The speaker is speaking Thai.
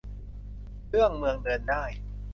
เรื่อง เมืองเดินได้